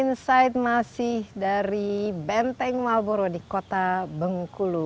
insight masih dari benteng malboro di kota bengkulu